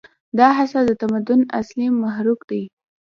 دا هڅه د تمدن اصلي محرک دی.